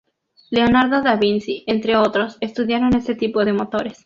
Leonardo da Vinci, entre otros, estudiaron este tipo de motores.